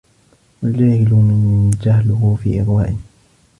وَالْجَاهِلُ مَنْ جَهْلُهُ فِي إغْوَاءٍ